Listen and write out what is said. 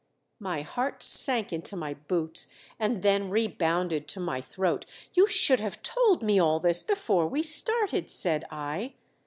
My heart sank into my boots and then rebounded to my throat. "You should have told me all this before we started," said I.